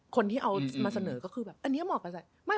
คนที่เอามาเสนอก็คือแบบอันนี้เหมาะกับใจ